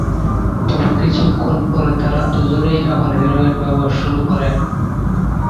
তবে কিছুক্ষণ পরে তারা দুজনেই আবার হেরোইন ব্যবহার শুরু করে।